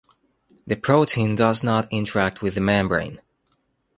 The protein does not interact with the membrane.